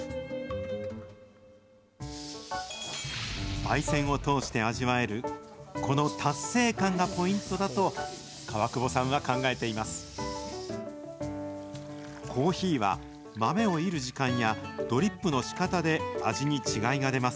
ばい煎を通して味わえる、この達成感がポイントだと、川久保さんは考えています。